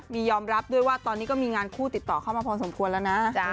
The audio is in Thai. มียอมรับด้วยว่าตอนนี้ก็มีงานคู่ติดต่อเข้ามาพอสมควรแล้วนะ